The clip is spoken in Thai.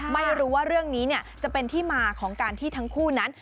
ไม่รู้ว่าเรื่องนี้จะเป็นที่มาของการที่ทั้งคู่นั้น